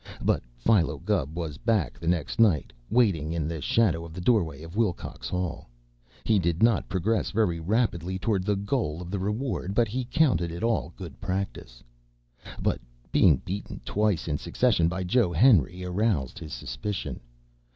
But Philo Gubb was back the next night, waiting in the shadow of the doorway of Willcox Hall. He did not progress very rapidly toward the goal of the reward, but he counted it all good practice. But being beaten twice in succession by Joe Henry aroused his suspicion.